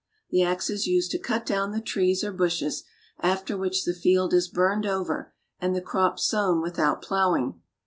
The ax is used to cut down the trees or bushes, after which the field is burned over, and the crops sown without plowing.